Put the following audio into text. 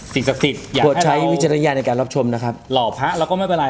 สิ่งศักดิ์สิทธิ์อยากให้เราหล่อพระเราก็ไม่เป็นไร